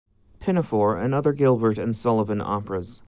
Pinafore and other Gilbert and Sullivan operas.